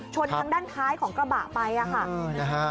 ชนทางด้านคล้ายของกระบะไปอ่ะค่ะ